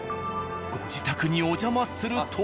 ご自宅にお邪魔すると。